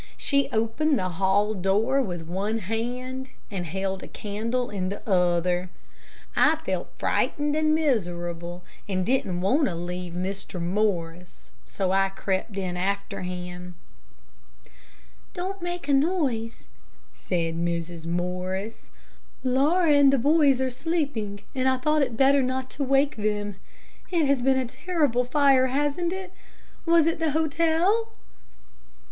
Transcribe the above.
She opened the hall door with one hand and held a candle in the other. I felt frightened and miserable, and didn't want to leave Mr. Morris, so I crept in after him. "Don't make a noise," said Mrs. Morris. "Laura and the boys are sleeping, and I thought it better not to wake them. It has been a terrible fire, hasn't it? Was it the hotel?"